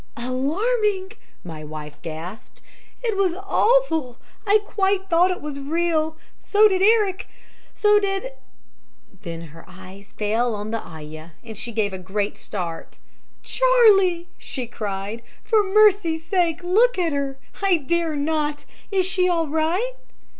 "'Alarming!' my wife gasped, 'it was awful! I quite thought it was real! so did Eric, and so did ' then her eyes fell on the ayah, and she gave a great start. 'Charlie!' she cried, 'for mercy's sake look at her! I dare not! Is she all right?'